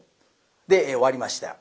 で終わりました。